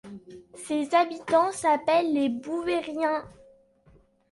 Ses habitants s'appellent les Bouvériens.